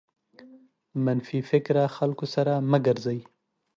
منفي فکره خلکو سره مه ګرځٸ.